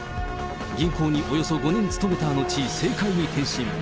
銀行におよそ５年勤めたのち、政界に転身。